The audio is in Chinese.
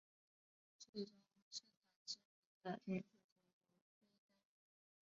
最终圣堂之门的女主角由飞担任。